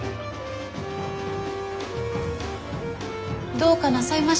どうかなさいましたか？